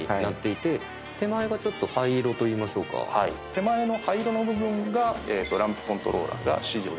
手前の灰色の部分がランプコントローラーが指示を出す。